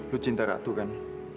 lu cinta ratu kan